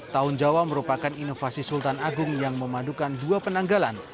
tahun jawa merupakan inovasi sultan agung yang memadukan dua penanggalan